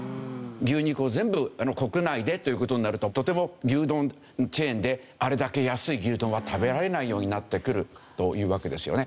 牛肉を全部国内でという事になるととても牛丼チェーンであれだけ安い牛丼は食べられないようになってくるというわけですよね。